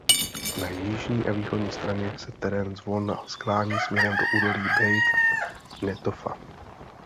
Na jižní a východní straně se terén zvolna sklání směrem do údolí Bejt Netofa.